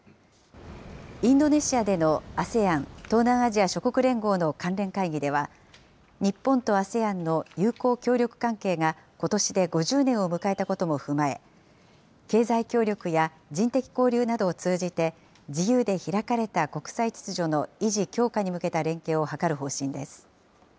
インドネシアでのＡＳＥＡＮ・東南アジア諸国連合の関連会議では、日本とＡＳＥＡＮの友好協力関係がことしで５０年を迎えたことも踏まえ、経済協力や人的交流などを通じて、自由で開かれた国際秩序の維持・強化に向けた連携を図る方針です。